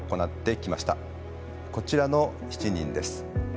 こちらの７人です。